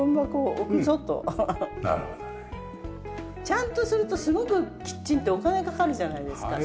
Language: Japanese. ちゃんとするとすごくキッチンってお金かかるじゃないですか。